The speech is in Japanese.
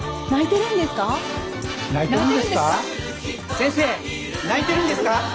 先生泣いてるんですか？